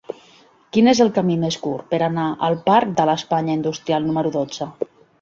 Quin és el camí més curt per anar al parc de l'Espanya Industrial número dotze?